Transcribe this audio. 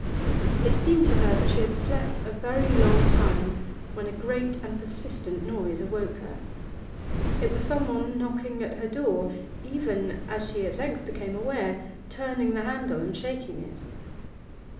It seemed to her that she had slept a very long time when a great and persistent noise awoke her. It was someone knocking at her door, even, as she at length became aware, turning the handle and shaking it.